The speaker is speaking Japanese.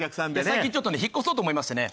最近ちょっとね引っ越そうと思いましてね。